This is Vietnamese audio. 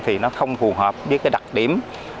thì nó không phù hợp với đặc điểm